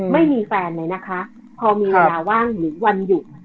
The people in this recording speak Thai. ไม่มีแฟนเลยนะคะพอมีเวลาว่างหรือวันหยุด